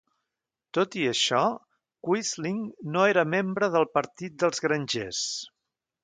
Tot i això, Quisling no era membre del Partit dels Grangers.